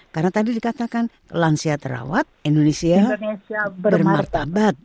karena tadi dikatakan lansia terawat indonesia bermartabat